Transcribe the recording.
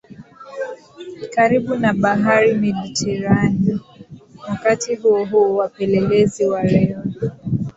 karibu na Bahari Mediteranea Wakati huohuo wapelelezi Wareno